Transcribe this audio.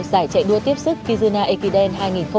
giải chạy đua tiếp sức kizuna ekiden